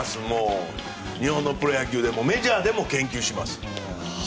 日本のプロ野球でもメジャーでも研究します。